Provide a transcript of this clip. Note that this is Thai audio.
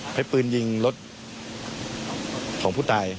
นสารยิงรถของผู้ตาย